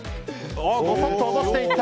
ごそっと落としていった。